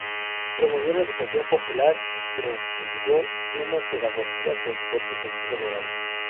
Promovió la educación popular y propugnó una pedagogía con fuerte sentido moral.